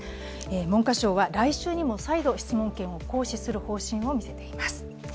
文科省は来週にも再度質問権を行使する方針を見せています。